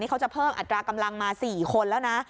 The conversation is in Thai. เขาจะเพิ่มอัตรากำลังมา๔คนแล้วนะ